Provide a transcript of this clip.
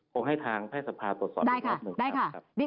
โครงให้ทางพยาบาลบาร์ตดสอบอีกครับครับได้ค่ะ